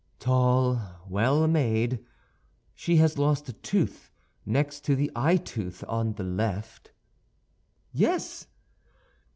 "Tall, well made? She has lost a tooth, next to the eyetooth on the left?" "Yes."